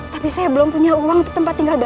tapi saya belum punya uang untuk tempat tinggal